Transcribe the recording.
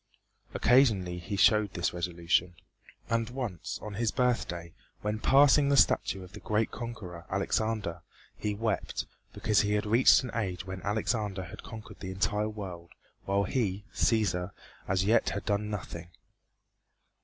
Occasionally he showed this resolution. And once on his birthday, when passing the statue of the great conqueror, Alexander, he wept because he had reached an age when Alexander had conquered the entire world, while he, Cæsar, as yet had done nothing.